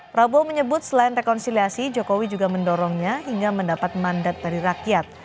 prabowo menyebut selain rekonsiliasi jokowi juga mendorongnya hingga mendapat mandat dari rakyat